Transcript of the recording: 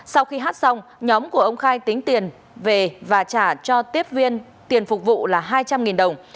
sau khi hát xong nhóm của ông khai tính tiền về và trả cho tiếp viên tiền phục vụ là hai trăm linh đồng